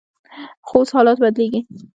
خو اوس حالات بدلیږي.